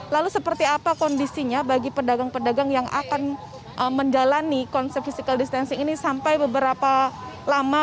lalu seperti apa kondisinya bagi pedagang pedagang yang akan menjalani konsep physical distancing ini sampai beberapa lama